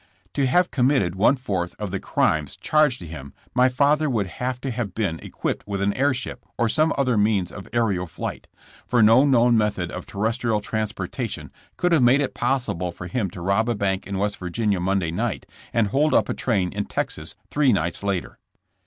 '* To have committed one fourth of the crimes 94 JKSSH JAMSS. charged to him my father would have to have been equipped with an air ship or some other means of aerial flight, for no known method of terrestrial transportation could have made it possible for him to rob a bank in West Virginia Monday night and hold up a train in Texas three nights later.